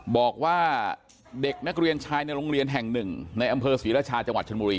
บอกว่าเด็กนักเรียนชายในโรงเรียนแห่งหนึ่งในอำเภอศรีราชาจังหวัดชนบุรี